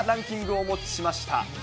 お持ちしました。